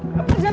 lu yang ngerjain